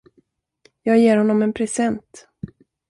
Jag ger honom en present.